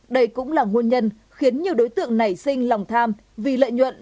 đây cũng là nguồn nhân khiến nhiều đối tượng nảy sinh lòng tham vì lợi nhuận